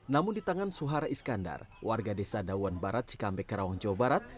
namun di tangan suhara iskandar warga desa dawan barat cikampek karawang jawa barat